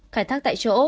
khải thác tại chỗ